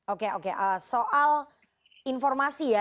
oke oke soal informasi ya